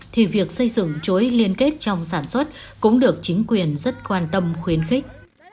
thì việc xây dựng chuỗi liên kết trong sản xuất cũng được chính quyền rất quan tâm khuyến khích